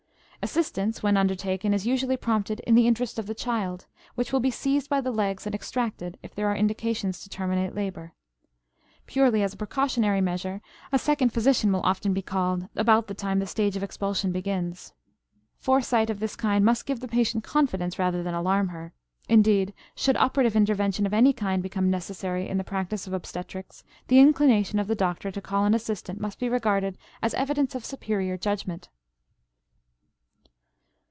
Assistance, when undertaken, is usually prompted in the interest of the child, which will be seized by the legs and extracted if there are indications to terminate labor. Purely as a precautionary measure, a second physician will often be called about the time the stage of expulsion begins. Foresight of this kind must give the patient confidence rather than alarm her. Indeed, should operative intervention of any kind become necessary in the practice of obstetrics, the inclination of the doctor to call an assistant must be regarded as an evidence of superior judgment.